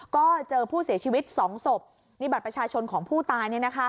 ก็เจอผู้เสียชีวิต๒ศพนี่บัตรประชาชนของผู้ตาย